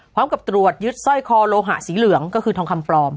พร้อมกับตรวจยึดสร้อยคอโลหะสีเหลืองก็คือทองคำปลอม